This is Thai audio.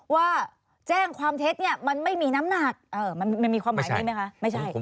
ว่าแจ้งความเท็จมันไม่มีน้ำหนักมันมีความหมายใช่ไหมคะ